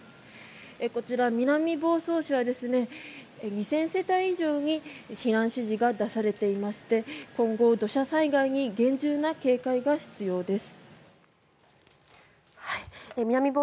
こちら南房総市は２０００世帯以上に避難指示が出されていまして今後、土砂災害に厳重な警戒が必要です。